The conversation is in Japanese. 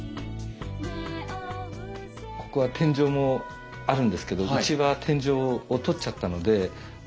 ここは天井もあるんですけどうちは天井を取っちゃったのでそ